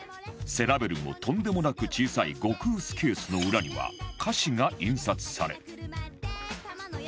背ラベルもとんでもなく小さい極薄ケースの裏には歌詞が印刷され